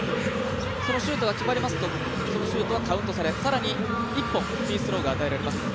そのシュートが入りますとそのシュートはカウントされ更に１本フリースローが与えられます。